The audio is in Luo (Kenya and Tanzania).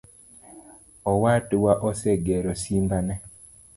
Owadwa osegero simba ne